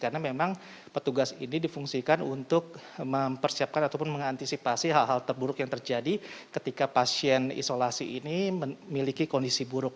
karena memang petugas ini difungsikan untuk mempersiapkan ataupun mengantisipasi hal hal terburuk yang terjadi ketika pasien isolasi ini memiliki kondisi buruk